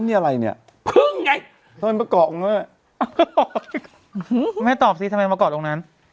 นี่อะไรเนี่ยเพิ่งไงไม่ตอบสิทำไมมาเกาะตรงนั้น